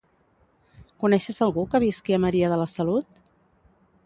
Coneixes algú que visqui a Maria de la Salut?